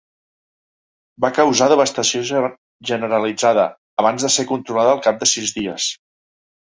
Va causar devastació generalitzada, abans de ser controlada al cap de sis dies.